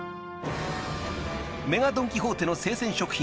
［ＭＥＧＡドン・キホーテの生鮮食品］